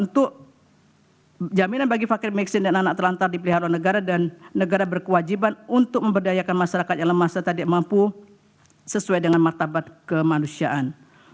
untuk jaminan bagi fakir mixing dan anak terlantar dipelihara oleh negara dan negara berkewajiban untuk memberdayakan masyarakat yang lemah serta tidak mampu sesuai dengan martabat kemanusiaan